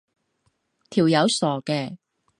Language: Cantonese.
條友傻嘅